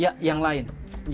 ya yang lain